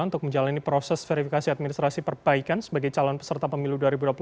untuk menjalani proses verifikasi administrasi perbaikan sebagai calon peserta pemilu dua ribu dua puluh